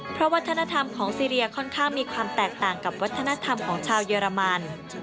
เพราะวัฒนธรรมของซีเรียค่อนข้างมีความแตกต่างกับวัฒนธรรมของชาวเยอรมัน